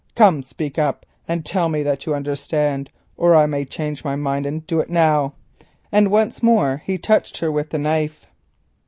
Come, speak up, and tell me that you understand, or I may change my mind and do it now," and once more he touched her with the knife.